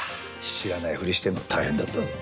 知らないふりしてるの大変だったぞ。